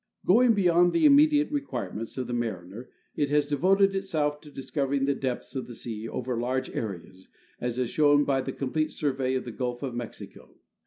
Going be3^ond the immediate requirements of the mariner, it has devoted itself to discovering the depths of the sea over large areas, as is shown by the complete survey of the Gulf of Mexico.